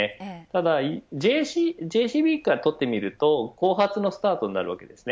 ただＪＣＢにとってみると後発のスタートになります。